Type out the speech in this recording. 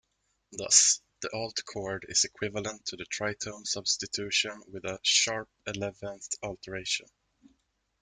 Thus, the alt chord is equivalent to the tritone substitution with a sharp-eleventh alteration.